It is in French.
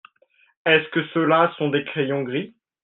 Est-ce que ceux-là sont des crayons gris ?